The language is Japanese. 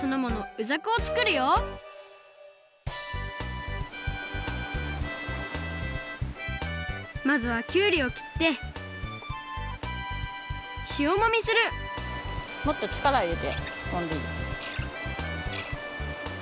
うざくをつくるよまずはきゅうりをきってしおもみするもっとちからをいれてもんでいいですよ。